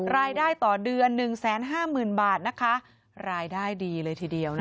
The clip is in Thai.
รายได้ต่อเดือน๑๕๐๐๐บาทนะคะรายได้ดีเลยทีเดียว